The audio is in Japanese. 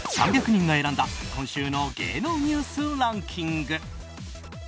３００人が選んだ今週の芸能ニュースランキング。